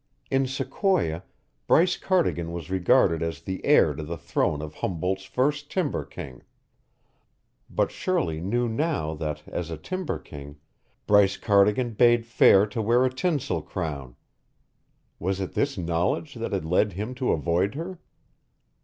In Sequoia, Bryce Cardigan was regarded as the heir to the throne of Humboldt's first timber king, but Shirley knew now that as a timber king, Bryce Cardigan bade fair to wear a tinsel crown. Was it this knowledge that had led him to avoid her?